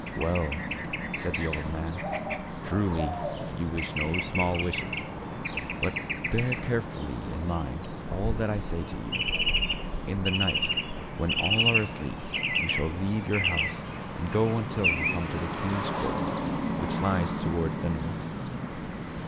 "Well," said the old man, "truly you wish no small wishes ; but, bear carefully in mind all that I say to you. In the night, when all are asleep, you shall leave your house and go until you come to a king's court, which lies toward the north.